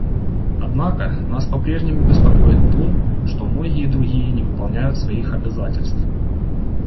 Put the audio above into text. Однако нас попрежнему беспокоит то, что многие другие не выполняют своих обязательств.